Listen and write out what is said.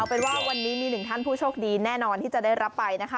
เป็นว่าวันนี้มีหนึ่งท่านผู้โชคดีแน่นอนที่จะได้รับไปนะคะ